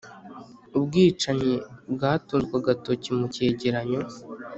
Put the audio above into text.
ubwicanyi bwatunzwe agatoki mu cyegeranyo